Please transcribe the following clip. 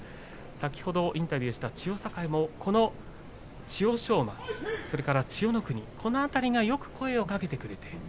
先ほどインタビューした千代栄もこの千代翔馬、それから千代の国、この辺りがよく声をかけてくれている。